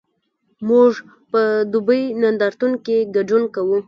موږ په دوبۍ نندارتون کې ګډون کوو؟